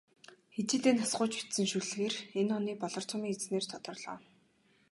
Ижийдээ нас гуйж бичсэн шүлгээр энэ оны "Болор цом"-ын эзнээр тодорлоо.